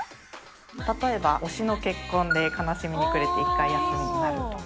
例えば推しの結婚で悲しみに暮れて１回休みになるとか。